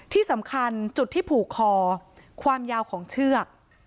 ที่สำคัญจุดที่ผูกคอความยาวของเชือก